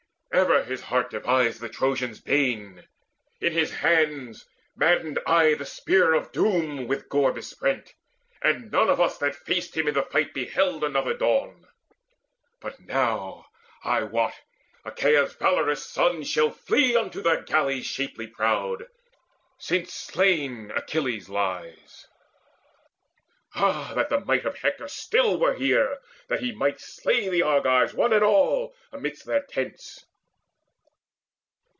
Ever his heart devised the Trojans' bane; In his hands maddened aye the spear of doom With gore besprent, and none of us that faced Him in the fight beheld another dawn. But now, I wot, Achaea's valorous sons Shall flee unto their galleys shapely prowed, Since slain Achilles lies. Ah that the might Of Hector still were here, that he might slay The Argives one and all amidst their tents!"